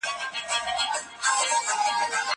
زه پرون د زده کړو تمرين وکړ!